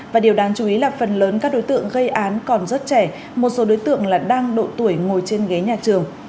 và điều đáng chú ý là phần lớn các đối tượng gây án còn rất trẻ một số đối tượng là đang độ tuổi ngồi trên ghế nhà trường